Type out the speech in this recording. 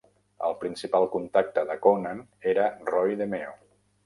El principal contacte de Coonan era Roy DeMeo.